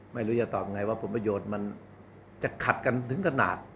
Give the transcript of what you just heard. ไม่รู้จะตอบไงว่าผลประโยชน์มันจะขัดกันถึงขนาด